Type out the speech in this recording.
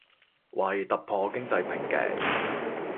為突破經濟瓶頸